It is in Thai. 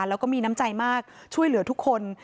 แล้วก็มีน้ำใจมากช่วยเหลือทุกคน